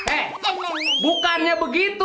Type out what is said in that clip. eh bukannya begitu